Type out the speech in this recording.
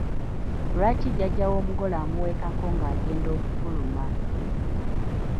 Lwaki jjajja w'omugole amuweekako ng'agenda okufuluma?